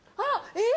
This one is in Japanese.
えっ！